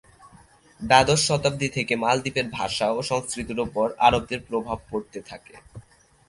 দ্বাদশ শতাব্দি থেকে মালদ্বীপের ভাষা ও সংস্কৃতির উপর আরবদের প্রভাব পড়তে থাকে।